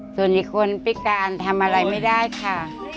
ส่วนอีกคนพิการทำอะไรไม่ได้ค่ะ